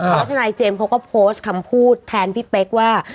เพราะทนายเจมส์เขาก็โพสต์คำพูดแทนพี่เป๊กว่า